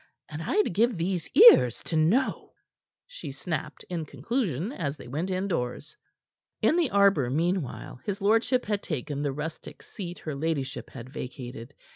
And I'd give these ears to know," she snapped in conclusion as they went indoors. In the arbor, meanwhile, his lordship had taken the rustic seat her ladyship had vacated.